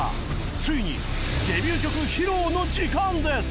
ついにデビュー曲披露の時間です